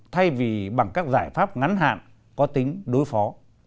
thay vì bằng các giải pháp ngắn hạn có tính đối phó